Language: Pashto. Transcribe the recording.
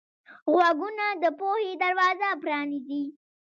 غوږونه د پوهې دروازه پرانیزي